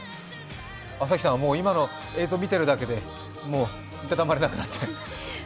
アサヒさんは、今の映像を見てるだけでいたたまれなくて。